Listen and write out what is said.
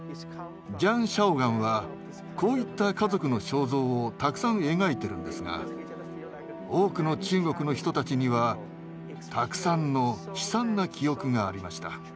ジャン・シャオガンはこういった家族の肖像をたくさん描いてるんですが多くの中国の人たちにはたくさんの悲惨な記憶がありました。